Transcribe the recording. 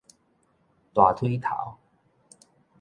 大腿頭